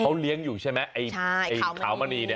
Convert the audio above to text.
เขาเลี้ยงอยู่ใช่ไหมไอ้ขาวมณีเนี่ย